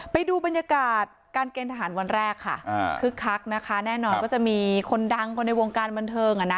ไปดูบรรยากาศการเกณฑ์ทหารวันแรกค่ะคึกคักนะคะแน่นอนก็จะมีคนดังคนในวงการบันเทิงอ่ะนะ